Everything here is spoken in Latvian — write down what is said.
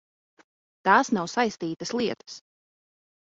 Tās nav saistītas lietas.